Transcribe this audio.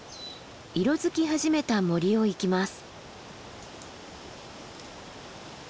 色づき始めた森を行きます。